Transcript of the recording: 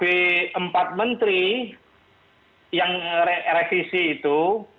melalui skb empat menteri yang revisi itu